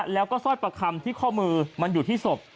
แล้วก็สร้อยประคำที่ข้อมือมันอยู่ที่ศพ